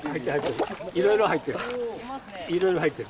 いろいろ入ってる。